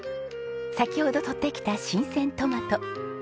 先ほどとってきた新鮮トマト。